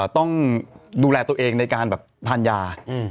ต้องดูแลตัวเองในการแบบทานยา